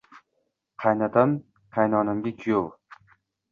Qaynotam-qaynonamga – kuyov